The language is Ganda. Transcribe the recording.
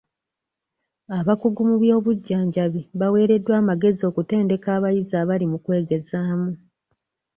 Abakugu mu by'obujjanjabi baweereddwa amagezi okutendeka abayizi abali mu kwegezaamu.